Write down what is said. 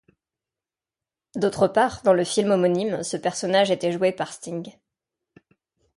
D'autre part, dans le film homonyme, ce personnage était joué par Sting.